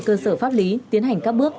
cơ sở pháp lý tiến hành các bước